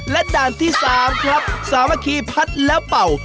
และด่านที่๓ครับสามัคคีพัดแล้วเป่า